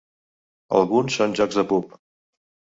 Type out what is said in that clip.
Alguns són jocs de pub.